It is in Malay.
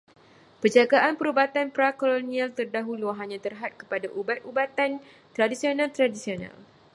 Penjagaan perubatan pra-kolonial terdahulu hanya terhad kepada ubat-ubatan tradisional tradisional.